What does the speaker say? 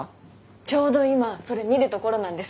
ちょうど今それ見るところなんです。